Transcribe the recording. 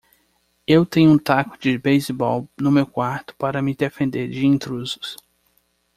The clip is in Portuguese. Eu tenho um taco de beisebol no meu quarto para me defender de intrusos.